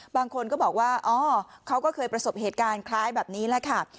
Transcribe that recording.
บางคนก็บอกว่าอ๋อเขาก็เคยประสบเหตุการณ์คล้ายแบบนี้แหละค่ะ